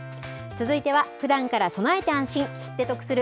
続いてはふだんから備えて安心、知って得する！